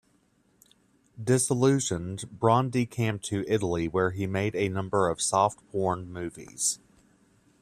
Disillusioned, Braun decamped to Italy, where he made a number of softporn movies.